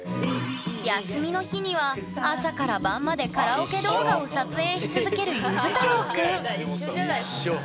休みの日には朝から晩までカラオケ動画を撮影し続けるゆず太郎くん一緒。